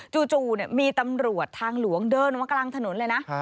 จู่มีตำรวจทางหลวงเดินมากลางถนนเลยนะ